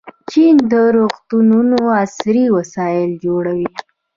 چین د روغتونونو عصري وسایل جوړوي.